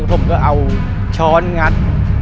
ผมก็เอาช้อนงัด